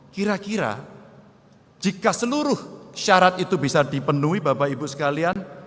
kira kira jika seluruh syarat itu bisa dipenuhi bapak ibu sekalian